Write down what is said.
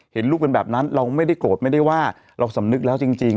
เห็นลูกเป็นแบบนั้นเราไม่ได้โกรธไม่ได้ว่าเราสำนึกแล้วจริง